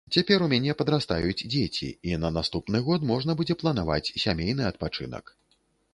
Цяпер у мяне падрастаюць дзеці, і на наступны год можна будзе планаваць сямейны адпачынак.